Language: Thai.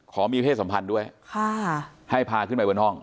มีเพศสัมพันธ์ด้วยให้พาขึ้นไปบนห้อง